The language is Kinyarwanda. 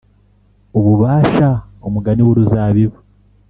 Ububasha umugani w uruzabibu